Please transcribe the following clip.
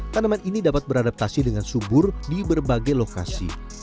tanaman ini dapat beradaptasi dengan subur di berbagai lokasi